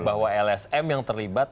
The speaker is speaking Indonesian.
bahwa lsm yang terlibat